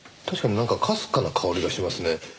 確かになんかかすかな香りがしますね。